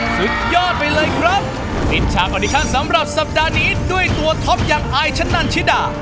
สุดยอดไปเลยครับปิดฉากอดิชั่นสำหรับสัปดาห์นี้ด้วยตัวท็อปอย่างอายชะนันชิดา